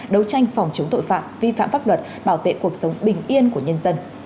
đấu tranh phòng chống tội phạm vi phạm pháp luật bảo vệ cuộc sống bình yên của nhân dân